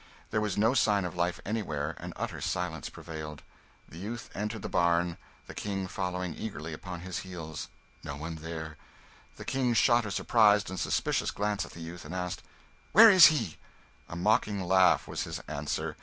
There was no sign of life anywhere, and utter silence prevailed. The youth entered the barn, the King following eagerly upon his heels. No one there! The King shot a surprised and suspicious glance at the youth, and asked "Where is he?" A mocking laugh was his answer.